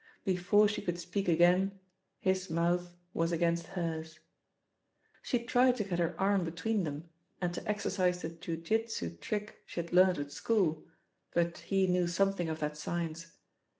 Before she could speak again his mouth was against hers. She tried to get her arm between them, and to exercise the ju jitsu trick she had learnt at school, but he knew something of that science.